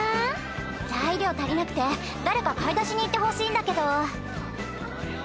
材料足りなくて誰か買い出しに行ってほしいんだけど。